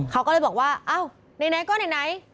เขาก็เลยบอกว่าเห็นไกล้ก็เห็นไกล้